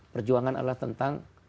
perjuangan adalah tentang